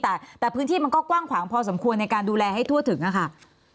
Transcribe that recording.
แต่พื้นที่มันก็กว้างขวางพอสมควรในการดูแลให้ทั่วถึงค่ะ